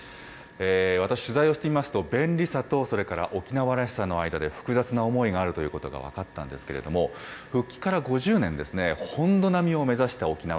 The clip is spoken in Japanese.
私、取材をしていますと、便利さと、それから沖縄らしさの間で複雑な思いがあるということが分かったんですけれども、復帰から５０年ですね、本土並みを目指した沖縄。